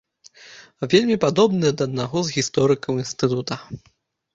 Вельмі падобны да аднаго з гісторыкаў інстытута.